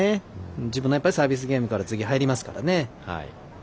自分のサービスゲームから次は入りますからね。